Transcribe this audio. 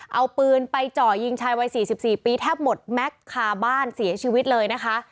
เอาปืนไปเจาะยิงชายวัย๔๔ปีแทบหมดแม็กซ์คาบ้านเสียชีวิตเลยนะคะ